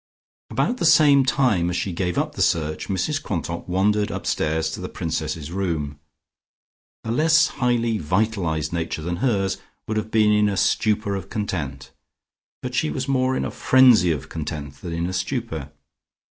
About the same time as she gave up the search, Mrs Quantock wandered upstairs to the Princess's room. A less highly vitalised nature than hers would have been in a stupor of content, but she was more in a frenzy of content than in a stupor.